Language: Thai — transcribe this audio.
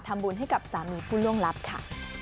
ทำบุญให้กับสามีผู้ล่วงลับค่ะ